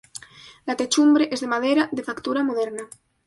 La techumbre es de madera, de factura moderna.